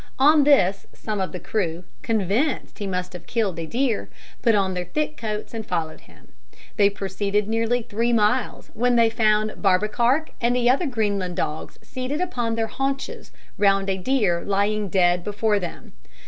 On this, some of the crew, convinced that he must have killed a deer, put on their thick coats and followed him. They proceeded nearly three miles, when they found Barbekark and the other Greenland dogs seated upon their haunches round a deer lying dead before them.